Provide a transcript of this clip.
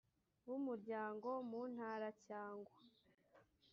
b umuryango mu ntara cyangwa